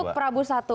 untuk prabu satu